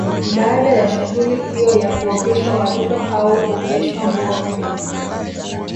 Baada ya shughuli hiyo ya kuogeshwa watoto hao huveshwa nguo mpya